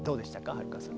春香さん